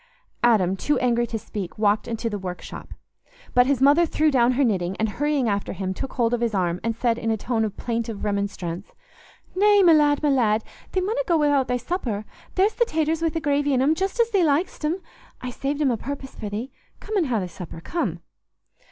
Adam, too angry to speak, walked into the workshop. But his mother threw down her knitting, and, hurrying after him, took hold of his arm, and said, in a tone of plaintive remonstrance, "Nay, my lad, my lad, thee munna go wi'out thy supper; there's the taters wi' the gravy in 'em, just as thee lik'st 'em. I saved 'em o' purpose for thee. Come an' ha' thy supper, come."